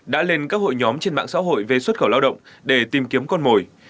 đã lên các hội nhóm trên mạng xã hội về xuất khẩu lao động để tìm kiếm con mồi